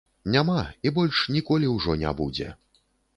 Няма і больш ніколі ўжо не будзе.